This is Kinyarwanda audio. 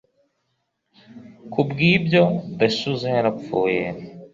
Ku bw'ibyo, De Souza yarapfuye